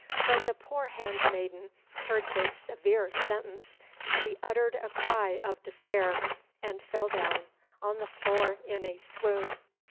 When the poor handmaiden heard this severe sentence, she uttered a cry of despair, and fell down on the floor in a swoon.